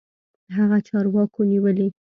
هغه چارواکو نيولى.